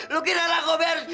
lu ki tak nakal be harus harus